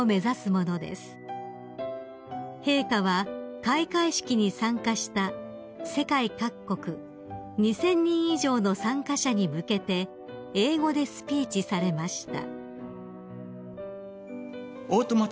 ［陛下は開会式に参加した世界各国２，０００人以上の参加者に向けて英語でスピーチされました］